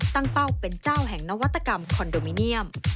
ตั้งเป้าเป็นเจ้าแห่งนวัตกรรมคอนโดมิเนียม